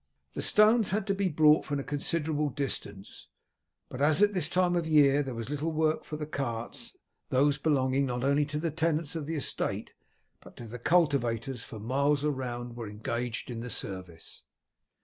The stones had to be brought from a considerable distance, but as at this time of year there was little work for the carts, those belonging not only to the tenants of the estate, but to the cultivators for miles round were engaged in the service.